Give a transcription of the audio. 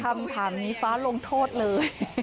คำถามนี้ฟ้าลงโทษเลย